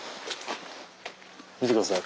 見てください。